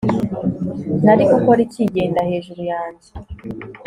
Nari gukora iki Genda hejuru yanjye